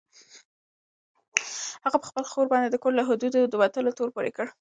هغه په خپله خور باندې د کور له حدودو د وتلو تور پورې کړ.